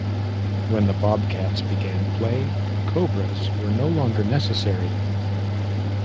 When the Bobcats began play, the Cobras were no longer necessary.